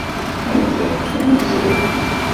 Amdan d amẓiw.